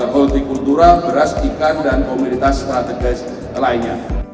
hortikultura beras ikan dan komunitas strategis lainnya